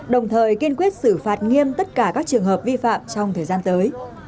đồng thời kiên quyết xử phạt nghiêm tất cả các trường hợp vi phạm trong thời gian tới